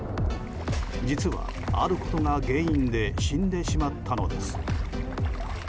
実は、あることが原因で死んでしまったのです。